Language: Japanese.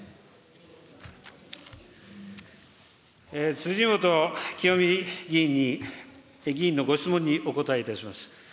辻元清美議員のご質問にお答えいたします。